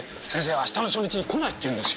明日の初日来ないっていうんですよ。